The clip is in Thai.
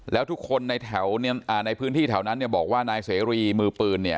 แล้วทุกคนในพื้นที่แถวนั้นเนี่ยบอกว่านายเสรีมือปืนเนี่ย